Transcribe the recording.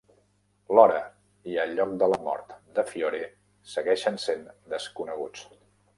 L'hora i el lloc de la mort de Fiore segueixen sent desconeguts.